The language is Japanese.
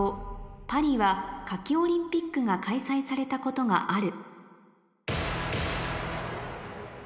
「パリは夏季オリンピックが開催されたことがある」